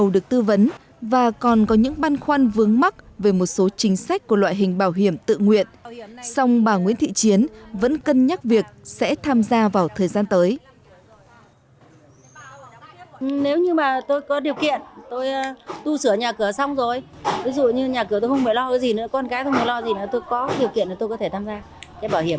được tư vấn tận nơi dân anh kinh doanh tại chợ bích động cùng nhiều hộ kinh doanh nơi này hiểu dần về những ưu điểm của chính sách bảo hiểm